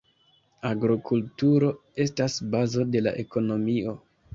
Agrokulturo estas bazo de la ekonomio.